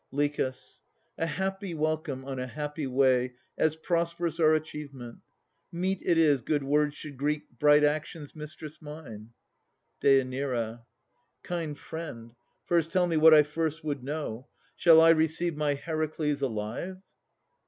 LICHAS. A happy welcome on a happy way, As prosperous our achievement. Meet it is Good words should greet bright actions, mistress mine! DÊ. Kind friend, first tell me what I first would know Shall I receive my Heracles alive?